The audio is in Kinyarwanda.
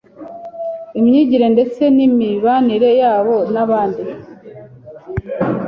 imyigire ndetse n’imibanire yabo n’abandi”.